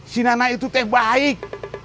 si nenek itu teh baik